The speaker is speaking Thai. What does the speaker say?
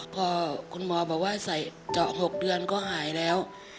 พอคุณหมอบอกว่าใส่เจาะ๖เดือนก็หายแล้ว